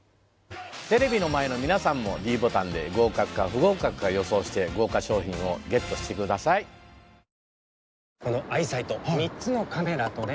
テレビの前の皆さんもｄボタンで合格か不合格か予想して豪華賞品をＧＥＴしてくださいおはよう。